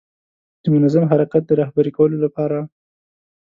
د منظم حرکت د رهبري کولو لپاره.